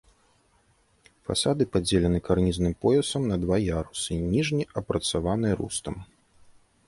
Фасады падзелены карнізным поясам на два ярусы, ніжні апрацаваны рустам.